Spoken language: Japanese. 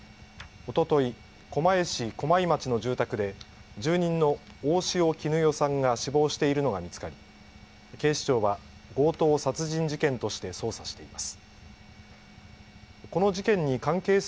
おととい狛江市駒井町の住宅で住人の大塩衣與さんが死亡しているのが見つかり警視庁は強盗殺人事件として捜査しています。